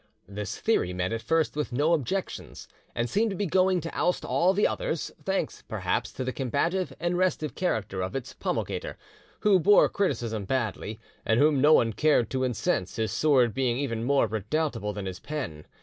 This theory met at first with no objections, and seemed to be going to oust all the others, thanks, perhaps, to the combative and restive character of its promulgator, who bore criticism badly, and whom no one cared to incense, his sword being even more redoubtable than his pen.